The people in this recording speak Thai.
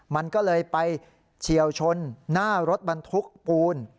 มันก็เลยไปเฉียวชนหน้ารถบรรทุกปูน